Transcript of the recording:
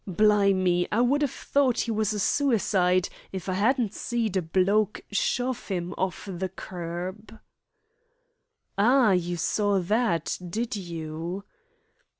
Bli me, I would ha' thort 'e was a suicide if I 'adn't seed a bloke shove 'im orf the kerb." "Oh, you saw that, did you?"